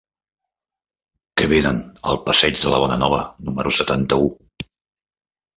Què venen al passeig de la Bonanova número setanta-u?